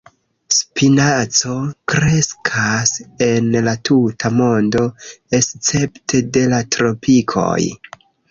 Spinaco kreskas en la tuta mondo escepte de la tropikoj.